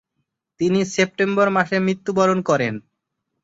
তিনি সেপ্টেম্বর মাসে মৃত্যুবরণ করেন।